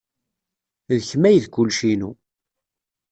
D kemm ay d kullec-inu.